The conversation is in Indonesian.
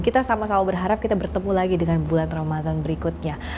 kita sama sama berharap kita bertemu lagi dengan bulan ramadan berikutnya